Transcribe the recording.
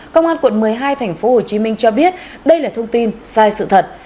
công an quận một mươi hai tp hcm cho biết đây là thông tin sai sự thật